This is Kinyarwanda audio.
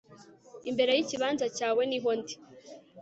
imbere yikibanza cyawe niho ndi